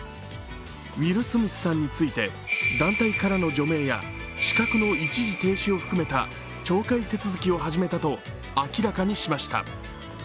ウィル・スミスさんについて団体からの除名や資格の一時停止を含めた懲戒手続きを始めたと明らかにしました。